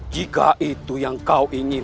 jika itu yang kau inginkan